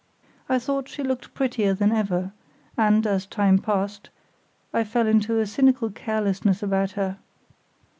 I thought she looked prettier than ever, and, as time passed, I fell into a cynical carelessness about her.